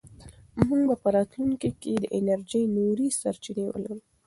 موږ به په راتلونکي کې د انرژۍ نورې سرچینې ولرو.